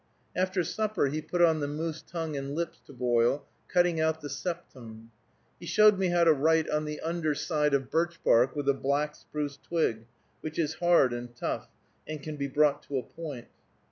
After supper he put on the moose tongue and lips to boil, cutting out the septum. He showed me how to write on the under side of birch bark, with a black spruce twig, which is hard and tough, and can be brought to a point.